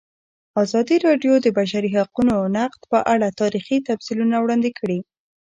ازادي راډیو د د بشري حقونو نقض په اړه تاریخي تمثیلونه وړاندې کړي.